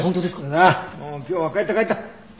さあもう今日は帰った帰った！